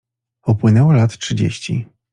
Upłynęło lat trzydzieści.